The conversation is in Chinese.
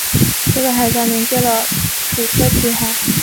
这个海峡连接了楚科奇海。